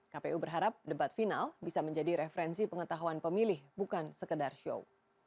kpu berharap debat final bisa menjadi referensi pengetahuan pemilih bukan sekedar show